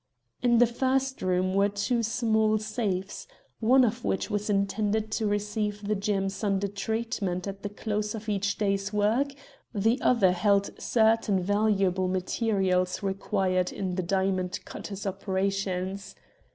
In the first room were two small safes, one of which was intended to receive the gems under treatment at the close of each day's work; the other held certain valuable materials required in the diamond cutter's operations.